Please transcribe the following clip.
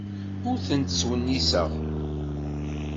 Ur ten-ttwenniseɣ.